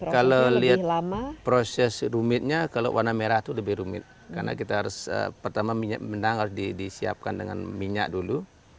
kalau lihat proses rumitnya kalau warna merah itu lebih rumit karena kita harus pertama minyak benang harus disiapkan dengan minyak dulu